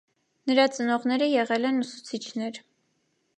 Նրա ծնողները եղել են ուսուցիչներ։